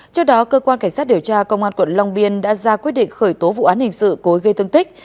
trước đó cơ quan cảnh sát điều tra công an quận long biên đã ra quyết định khởi tố vụ án hình sự cố ý gây thương tích